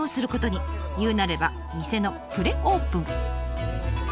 言うなれば店のプレオープン。